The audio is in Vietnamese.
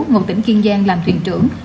một tỉnh kiên giang làm thuyền trưởng